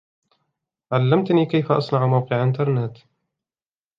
علّمتْني كيف أصنع موقعَ إنترنت.